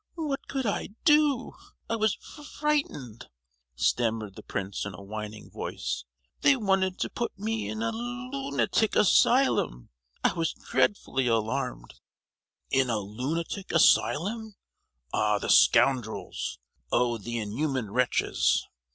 "What could I do? I was fri—ghtened!" stammered the prince in a whining voice: "they wanted to put me in a lu—unatic asylum! I was dreadfully alarmed!" "In a lunatic asylum? Ah, the scoundrels! oh, the inhuman wretches!